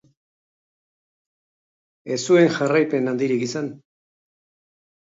Ez zuen jarraipen handirik izan.